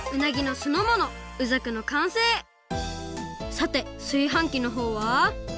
さてすいはんきのほうは？